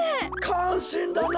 かんしんだな。